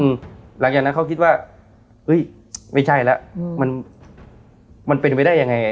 หลังจากนั้นเขาคิดว่าเฮ้ยไม่ใช่แล้วมันมันเป็นไปได้ยังไง